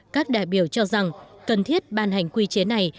các đại biểu cho rằng cần thiết ban hành quy chế này